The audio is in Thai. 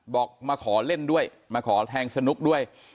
บอกมาขอเล่นด้วยมาขอแทงสนุกด้วย